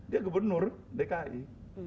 dia gubernur dki